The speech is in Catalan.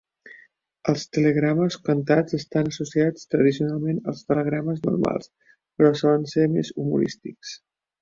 Els telegrames cantats estan associats tradicionalment als telegrames normals, però solen ser més humorístics.